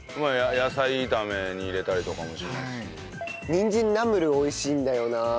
にんじんナムル美味しいんだよな。